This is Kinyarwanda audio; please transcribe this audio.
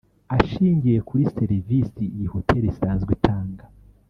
ashingiye kuri serivisi iyi hotel isanzwe itanga